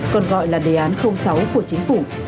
còn gọi là đề án sáu của chính phủ